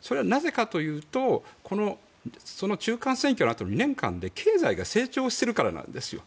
それはなぜかというと中間選挙のあと２年間で経済が成長してるからなんですよ。